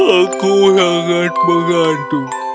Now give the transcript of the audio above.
aku sangat mengantuk